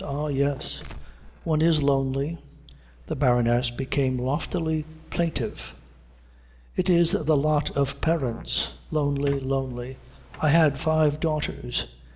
Ah, yes. One is lonely " The Baroness became loftily plaintive. "It is the lot of parents. Lonely, lonely. I had five daughters.